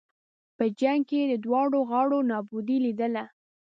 په جنګ کې یې د دواړو غاړو نابودي لېدله.